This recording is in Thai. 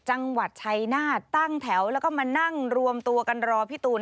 จังหวัดชัยนาฏตั้งแถวแล้วก็มานั่งรวมตัวกันรอพี่ตูน